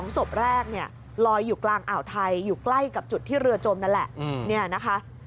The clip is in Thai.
ศพแรกเนี่ยลอยอยู่กลางอ่าวไทยอยู่ใกล้กับจุดที่เรือจมนั่นแหละ